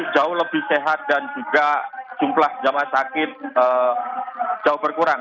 jauh lebih sehat dan juga jumlah jemaah sakit jauh berkurang